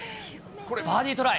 バーディートライ。